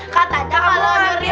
kata aja kalau mencuri